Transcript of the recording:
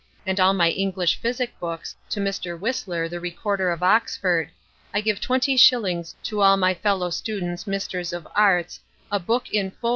and all my English Physick Books to Mr. Whistler the Recorder of Oxford I give twenty shillings to all my fellow Students Mrs of Arts a Book in fol.